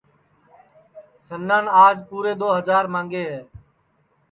سنان آج پُورے دؔو ہجار ماںٚگے ہے